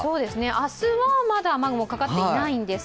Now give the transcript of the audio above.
明日はまだ雨雲かかっていないんです。